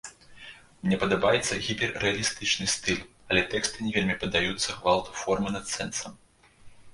Мне падабаецца гіперрэалістычны стыль, але тэксты не вельмі паддаюцца гвалту формы над сэнсам.